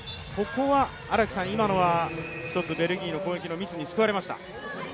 今のは一つ、ベルギーの攻撃のミスに救われました。